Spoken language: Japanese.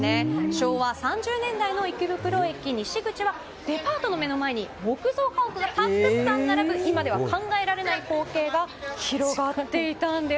昭和３０年代の池袋駅西口はデパートの目の前に木造家屋がたくさん並ぶ今では考えられない光景が広がっていたんです。